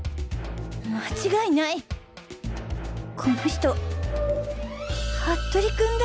間違いないこの人服部君だ！